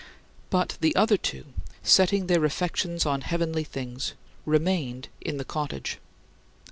But the other two, setting their affections on heavenly things, remained in the cottage.